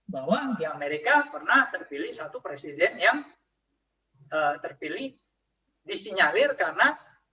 bahwa di amerika pernah terpilih satu presiden yang terpilih disinyalir karena